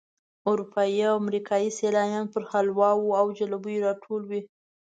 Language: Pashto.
اروپایي او امریکایي سیلانیان پر حلواو او جلبیو راټول وي.